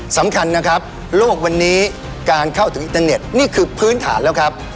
สำคัญนะครับโลกวันนี้การเข้าถึงอินเทอร์เน็ตนี่คือพื้นฐานแล้วครับ